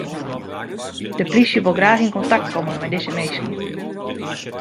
De plysje wol graach yn kontakt komme mei dy minsken.